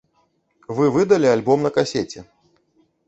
Вы выдалі альбом на касеце.